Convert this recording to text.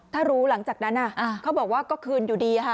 ถ้ารู้หลังจากนั้นเขาบอกว่าก็คืนอยู่ดีค่ะ